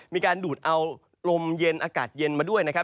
มีการดูดเอาลมเย็นอากาศเย็นมาด้วยนะครับ